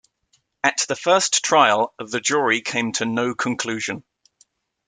At the first trial, the jury came to no conclusion.